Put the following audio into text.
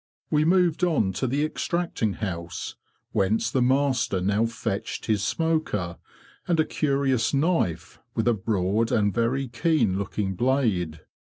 We moved on to the extracting house, whence the master now fetched his smoker, and a curious knife, with a broad and very keen looking blade.